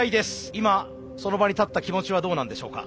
今その場に立った気持ちはどうなんでしょうか。